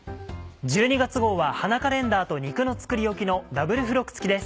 １２月号は花カレンダーと「肉の作りおき」のダブル付録付きです。